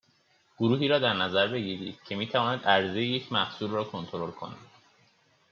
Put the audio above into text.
گروهی را در نظر بگیرید که می تواند عرضه یک محصول را کنترل کند